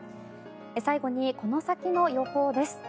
最後にこの先の予報です。